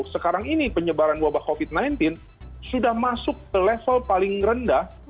sekarang ini penyebaran wabah covid sembilan belas sudah masuk ke level paling rendah